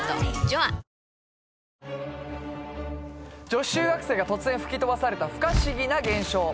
女子中学生が突然吹き飛ばされた不可思議な現象